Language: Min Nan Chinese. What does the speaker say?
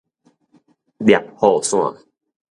攝雨傘